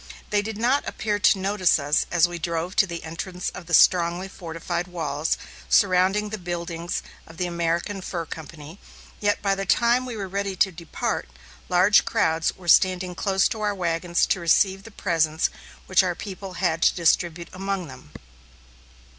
They did not appear to notice us as we drove to the entrance of the strongly fortified walls, surrounding the buildings of the American Fur Company, yet by the time we were ready to depart, large crowds were standing close to our wagons to receive the presents which our people had to distribute among them.